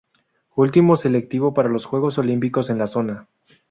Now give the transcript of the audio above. Último selectivo para los Juegos Olímpicos en la zona.